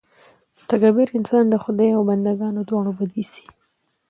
متکبر انسان د خدای او بندګانو دواړو بد اېسي.